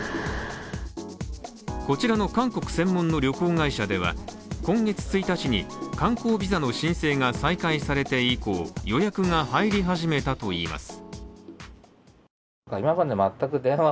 こちらの韓国専門の旅行会社では今月１日に観光ビザの申請が再開されて以降予約が入り始めたといいます。